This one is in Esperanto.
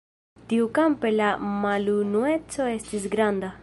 Tiukampe la malunueco estis granda.